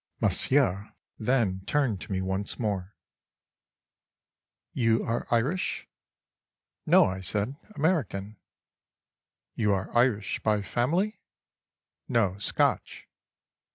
Monsieur then turned to me once more: "You are Irish?"—"No," I said, "American."—"You are Irish by family?"—"No, Scotch."